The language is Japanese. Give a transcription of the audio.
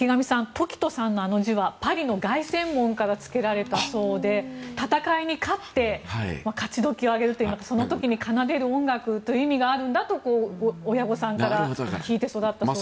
凱人さんのあの字はパリの凱旋門からつけられたそうで戦いに勝って勝ちどきを上げるといいますかその時に奏でる音楽という意味があるんだと親御さんから聞いて育ったそうです。